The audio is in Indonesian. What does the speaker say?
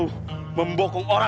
berani membokong orang